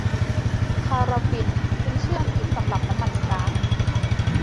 พาราฟินเป็นชื่ออังกฤษสำหรับน้ำมันก๊าด